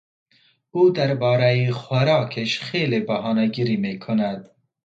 او دربارهی خوراکش خیلی بهانه گیری میکند.